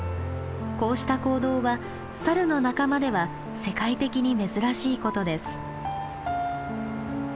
こうした行動はサルの仲間では世界的に珍しいことです。